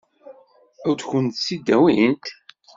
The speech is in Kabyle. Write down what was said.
Ad kent-tt-id-awint?